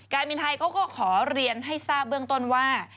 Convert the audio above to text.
การบินไทยเขาก็ขอเรียนให้ทราบเบื้องต้นว่า